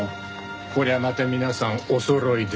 こりゃまた皆さんおそろいで。